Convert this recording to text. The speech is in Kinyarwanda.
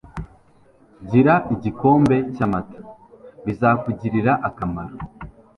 Gira igikombe cyamata. Bizakugirira akamaro.